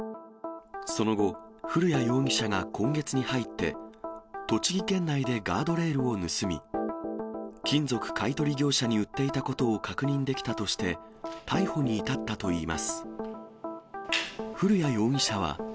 その後、古谷容疑者が今月に入って、栃木県内でガードレールを盗み、金属買い取り業者に売っていたことを確認できたとして、逮捕に至ったといいます。